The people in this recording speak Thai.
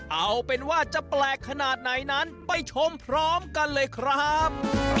เอาเป็นว่าจะแปลกขนาดไหนนั้นไปชมพร้อมกันเลยครับ